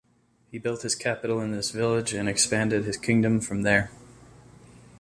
He built his capital in this village and expanded his kingdom from there.